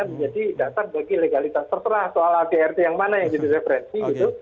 menjadi dasar bagi legalitas terserah soal adrt yang mana yang jadi referensi gitu